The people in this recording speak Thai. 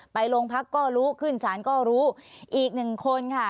ไปโรงพักก็รู้ขึ้นศาลก็รู้อีกหนึ่งคนค่ะ